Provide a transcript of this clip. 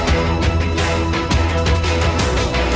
ini kita harus kena ngecek